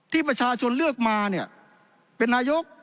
ที่ประชาชนเลือกมาเป็นนายุค